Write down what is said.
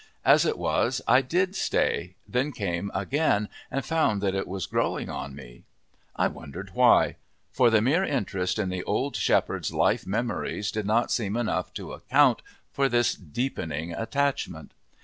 As it was, I did stay, then came again and found that it was growing on me. I wondered why; for the mere interest in the old shepherd's life memories did not seem enough to account for this deepening attachment.